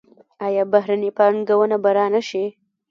آیا بهرنۍ پانګونه به را نشي؟